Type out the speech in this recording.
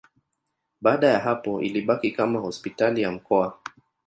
Baada ya hapo ilibaki kama hospitali ya mkoa.